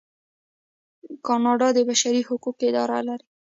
کاناډا د بشري حقونو اداره لري.